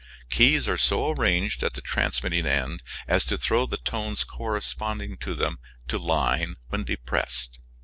Keys are so arranged at the transmitting end as to throw the tones corresponding to them to line when depressed.